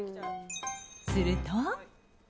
すると。